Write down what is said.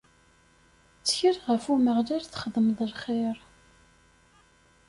Ttkel ɣef Umeɣlal txedmeḍ lxir.